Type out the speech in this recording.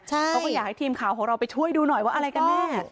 เขาก็อยากให้ทีมข่าวของเราไปช่วยดูหน่อยว่าอะไรกันแน่